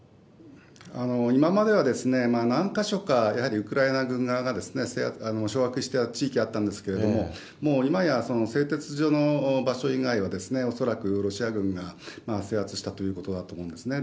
今までは、何か所かやはり、ウクライナ軍側が掌握した地域あったんですけれども、もう今や製鉄所の場所以外は恐らくロシア軍が制圧したということだと思うんですね。